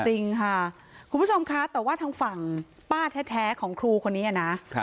จริงค่ะคุณผู้ชมคะแต่ว่าทางฝั่งป้าแท้ของครูคนนี้นะ